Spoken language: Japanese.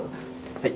はい。